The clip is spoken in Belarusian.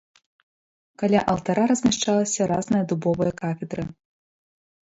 Каля алтара размяшчалася разная дубовая кафедра.